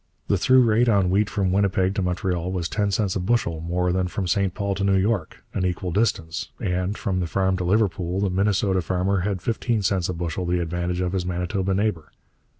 The through rate on wheat from Winnipeg to Montreal was ten cents a bushel more than from St Paul to New York, an equal distance; and, from the farm to Liverpool, the Minnesota farmer had fifteen cents a bushel the advantage of his Manitoba neighbour.